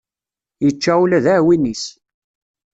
Yečča ula d aɛwin-is.